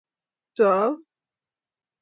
omeche mising anai omunee sikoyai kiit neu noee